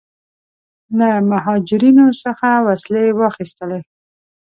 له مهاجرینو څخه وسلې واخیستلې.